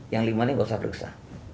yang lima ini nggak usah periksa